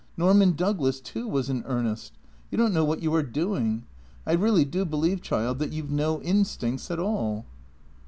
Norman Douglas, too, was in earnest. You don't know what you are doing. I really do believe, child, that you've no instincts at all."